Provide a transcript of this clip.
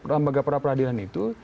lembaga pra peradilan itu